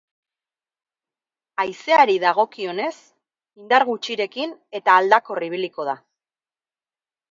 Haizeari dagokionez, indar gutxirekin eta aldakor ibiliko da.